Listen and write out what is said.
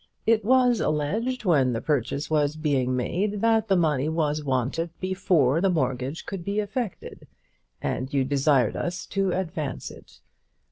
It was alleged, when the purchase was being made, that the money was wanted before the mortgage could be effected, and you desired us to advance it.